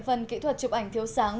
phần kỹ thuật chụp ảnh thiếu sáng